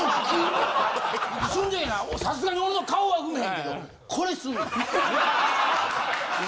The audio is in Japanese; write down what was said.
さすがに俺の顔は踏めへんけどこれすんねん。